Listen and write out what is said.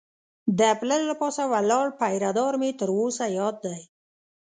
د پله له پاسه ولاړ پیره دار مې تر اوسه یاد دی.